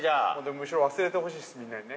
◆むしろ忘れてほしいです、みんなにね。